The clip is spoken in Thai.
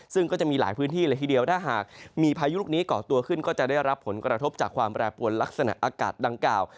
ซึ่งก็จะมีหลายพื้นที่เลยทีเดียวถ้าหากมีพายุลูกนี้ก่อตัวขึ้นก็จะได้รับผลกระทบจากความแปรปวนลักษณะอากาศดังกล่าว